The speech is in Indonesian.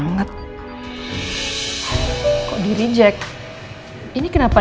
ma titipin lah ya